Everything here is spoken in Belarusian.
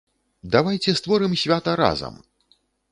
Давайце створым свята разам!